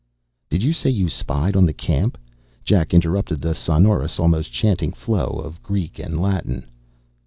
"Did you say you spied on the camp?" Jack interrupted the sonorous, almost chanting flow of Greek and Latin.